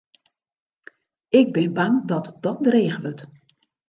Ik bin bang dat dat dreech wurdt.